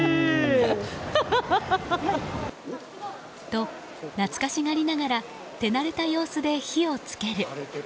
と、懐かしがりながら手慣れた様子で火を付ける。